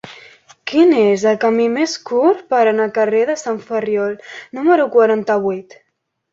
Quin és el camí més curt per anar al carrer de Sant Ferriol número quaranta-vuit?